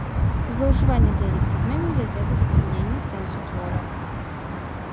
Злоўжыванне дыялектызмамі вядзе да зацямнення сэнсу твора.